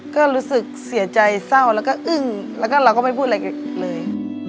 ก็รู้สึกเสียใจเศร้าแล้วก็อึ้งแล้วก็เราก็ไม่พูดอะไรอีกเลย